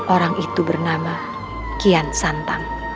orang itu bernama kian santang